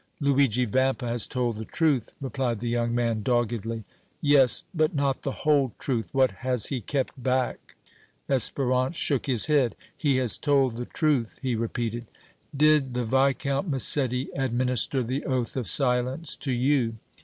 "Luigi Vampa has told the truth!" replied the young man, doggedly. "Yes, but not the whole truth. What has he kept back?" Espérance shook his head. "He has told the truth!" he repeated. "Did the Viscount Massetti administer the oath of silence to you?"